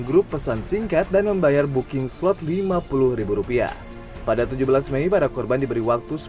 grup pesan singkat dan membayar booking slot lima puluh rupiah pada tujuh belas mei para korban diberi waktu